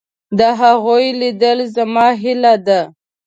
د هغوی لیدل زما هیله ده.